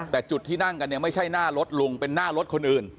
แต่จุดที่นั่งกันเนี่ยไม่ใช่หน้ารถลุงเป็นหน้ารถคนอื่น